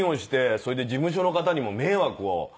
それで事務所の方にも迷惑をかけるんでね